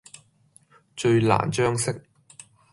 最難將息。